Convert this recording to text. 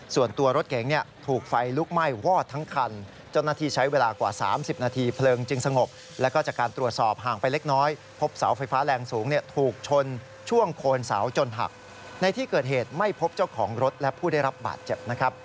ส่วนตัวรถเก๋งเนี่ยถูกไฟลุกไหม้วอดทั้งคัน